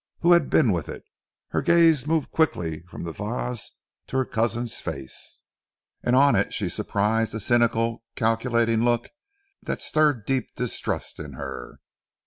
Who had been with it? Her gaze moved quickly from the vase to her cousin's face, and on it she surprised a cynical, calculating look that stirred deep distrust in her.